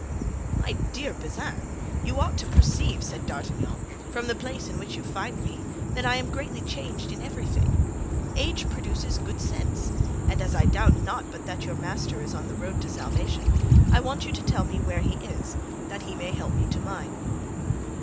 "My dear Bazin, you ought to perceive," said D'Artagnan, "from the place in which you find me, that I am greatly changed in everything. Age produces good sense, and, as I doubt not but that your master is on the road to salvation, I want you to tell me where he is, that he may help me to mine."